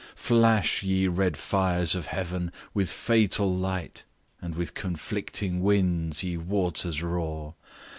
Flash, ye red fires of heaven, with fatal light, And with conflicting winds ye waters roar!